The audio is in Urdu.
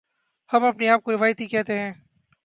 ہم اپنے آپ کو روایتی کہتے ہیں۔